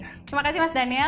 terima kasih mas daniel